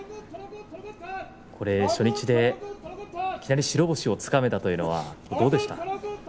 初日でいきなり白星をつかめたというのはどうでした？